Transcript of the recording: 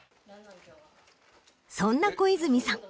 そんな小泉さん